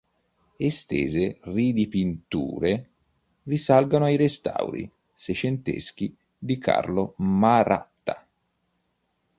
Estese ridipinture risalgono ai restauri seicenteschi di Carlo Maratta.